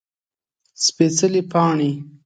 سپيڅلي پاڼې